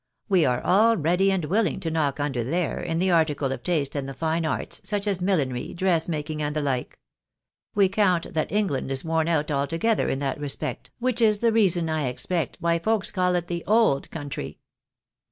We are all ready and wilhng to knock under there, in the article of taste and the fine arts, such as miUinery, dressmaking, and the like. We count that England is worn out altogether in that respect, which is the reason, I expect, why folks call it the old country."